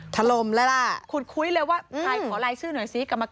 ถรมแล้วล่ะอืม